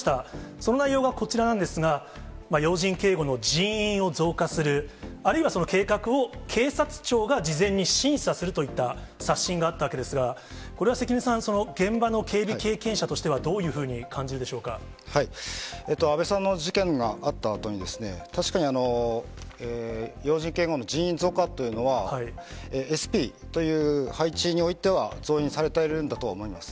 その内容がこちらなんですが、要人警護の人員を増加する、あるいはその計画を警察庁が事前に審査するといった刷新があったわけですが、これは関根さん、現場の警備経験者としては、安倍さんの事件があったあとに、確かに要人警護の人員増加というのは、ＳＰという配置においては増員されているんだとは思います。